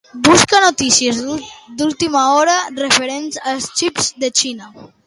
Busca notícies d'última hora referents als xips de la Xina.